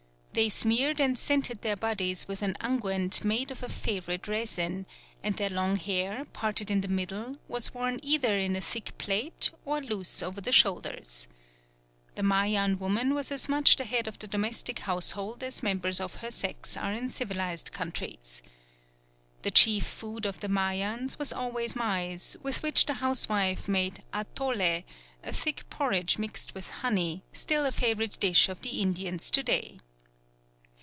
They smeared and scented their bodies with an unguent made of a favourite resin, and their long hair, parted in the middle, was worn either in a thick plait or loose over the shoulders. The Mayan woman was as much the head of the domestic household as members of her sex are in civilised countries. The chief food of the Mayans was always maize, with which the housewife made atole, a thick porridge mixed with honey, still a favourite dish of the Indians to day.